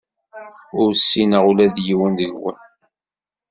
Ur ssineɣ ula d yiwen deg-wen.